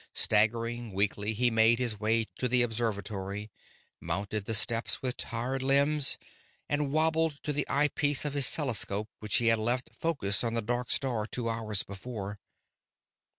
Staggering weakly, he made his way to the observatory, mounted the steps with tired limbs, and wobbled to the eyepiece of his telescope which he had left focused on the dark star two hours before.